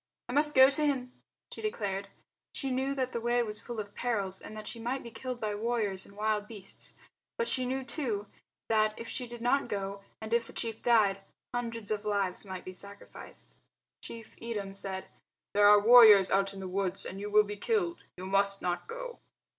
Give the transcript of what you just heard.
"I must go to him," she declared. She knew that the way was full of perils, and that she might be killed by warriors and wild beasts; but she knew too that, if she did not go and if the chief died, hundreds of lives might be sacrificed. Chief Edem said, "There are warriors out in the woods and you will be killed. You must not go."